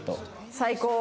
最高。